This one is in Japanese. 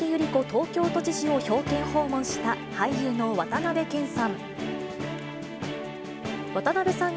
東京都知事を表敬訪問した、俳優の渡辺謙さん。